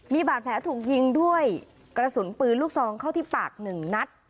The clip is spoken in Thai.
มีบาดแผลถูกยิงด้วยกระสุนปืนลูกซองเข้าที่ปากหนึ่งนัด